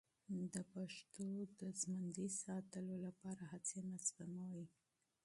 د پښتو د بقا لپاره هڅې مه سپموئ.